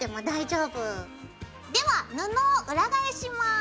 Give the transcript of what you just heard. では布を裏返します。